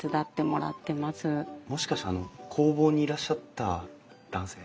もしかしてあの工房にいらっしゃった男性？